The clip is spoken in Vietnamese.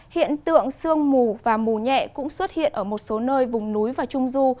hiện tượng sương mù và mù nhẹ cũng xuất hiện ở một số nơi vùng núi và trung du